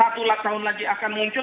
satu tahun lagi akan muncul